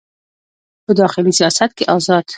په داخلي سیاست کې ازاد